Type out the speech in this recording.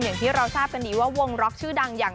อย่างที่เราทราบกันดีว่าวงล็อกชื่อดังอย่าง